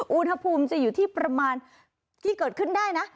อุณหภูมิจะอยู่ที่ประมาณที่เกิดขึ้นได้นะ